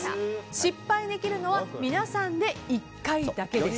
失敗できるのは皆さんで１回だけです。